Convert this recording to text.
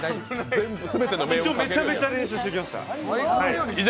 一応、めちゃめちゃ練習してきました。